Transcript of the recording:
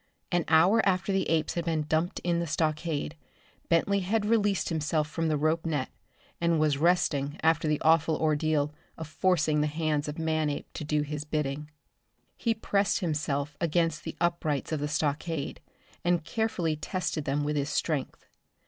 An hour after the apes had been dumped in the stockade, Bentley had released himself from the rope net and was resting after the awful ordeal of forcing the hands of Manape to do his bidding. He pressed himself against the uprights of the stockade, and carefully tested them with his strength.